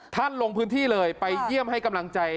ลงพื้นที่เลยไปเยี่ยมให้กำลังใจ